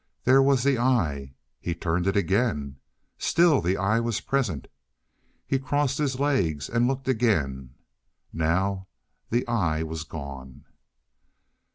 There was the eye. He turned it again. Still was the eye present. He crossed his legs and looked again. Now the eye was gone.